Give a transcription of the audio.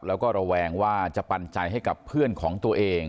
แล้วก็ระแวงว่าจะปันใจให้กับเพื่อนของตัวเอง